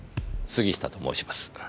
杉下と申します。